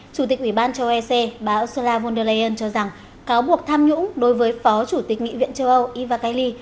chủ tịch ủy ban châu ec bà ursula von der leyen cho rằng cáo buộc tham nhũng đối với phó chủ tịch nghị viện châu âu ivali